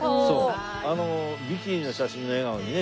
ビキニの写真の笑顔にね。